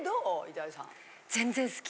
板谷さん。